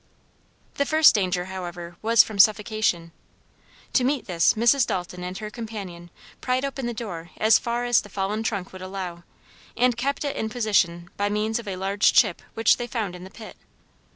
The first danger, however, was from suffocation; to meet this Mrs. Dalton and her companion pried open the door as far as the fallen trunk would allow, and kept it in position by means of a large chip which they found in the pit.